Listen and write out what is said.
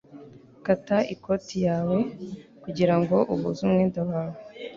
Kata ikoti yawe kugirango uhuze umwenda wawe